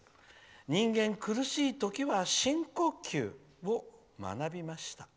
人間、苦しい時は深呼吸！を学びました。